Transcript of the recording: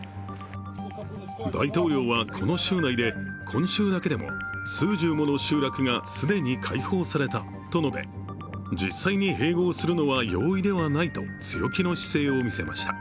大統領は、この州内で今週だけでも数十もの集落が既に解放されたと述べ実際に併合するのは容易ではないと強気の姿勢を見せました。